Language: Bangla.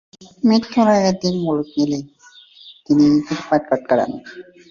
মৃত্যুর আগের দিনগুলি জেলে তিনি গীতা পাঠ করে কাটান।